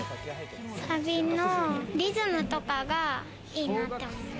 サビのリズムとかがいいなっ